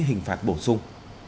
hình phạt bổ sung